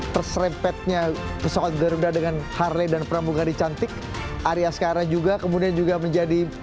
terserempetnya pesawat geruda dengan harley dan pramugari cantik ari askara juga kemudian juga menjadi